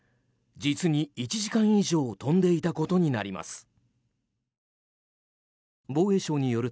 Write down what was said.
実に１時間以上飛んでいたことになります。